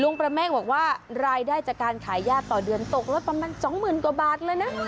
ประเมฆบอกว่ารายได้จากการขายย่าต่อเดือนตกลดประมาณ๒๐๐๐กว่าบาทเลยนะ